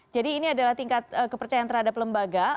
jadi ini adalah tingkat kepercayaan terhadap lembaga